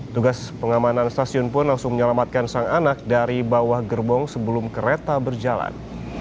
tugas pengamanan stasiun pun langsung menyelamatkan sang anak dari bawah gerbong sebelum kereta berjalan